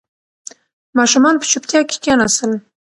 ماشومان په چوپتیا کې کښېناستل.